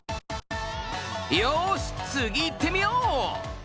よし次いってみよう！